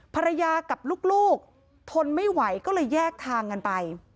ภรรยากับลูกทนไม่ไหวก็เลยแยกทางกันไป